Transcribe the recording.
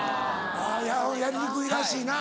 あぁやりにくいらしいな。